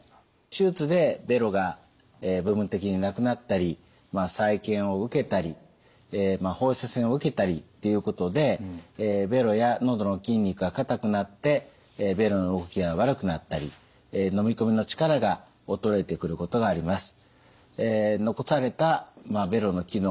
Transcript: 手術でべろが部分的になくなったり再建を受けたり放射線を受けたりっていうことでべろや喉の筋肉がかたくなってべろの動きが悪くなったりのみ込みの力が衰えてくることがあります。